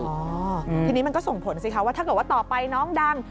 ทีนี้มันก็ส่งผลสิคะว่าถ้าเกิดว่าต่อไปน้องดัง